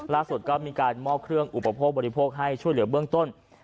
ล่าสุดก็มีการมอบเครื่องอุปโภคบริโภคให้ช่วยเหลือเบื้องต้น